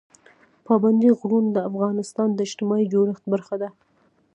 پابندی غرونه د افغانستان د اجتماعي جوړښت برخه ده.